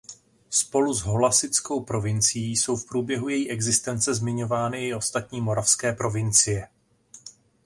Spolu s Holasickou provincií jsou v průběhu její existence zmiňovány i ostatní moravské provincie.